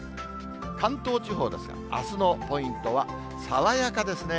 関東地方ですが、あすのポイントは、爽やかですね。